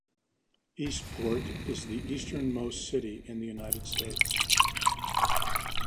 Eastport is the easternmost city in the United States.